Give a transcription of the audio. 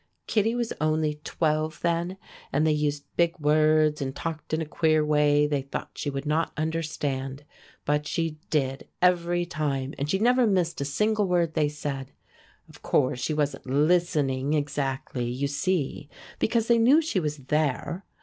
Kittie was only twelve then, and they used big words and talked in a queer way they thought she would not understand; but she did, every time, and she never missed a single word they said. Of course she wasn't listening exactly, you see, because they knew she was there.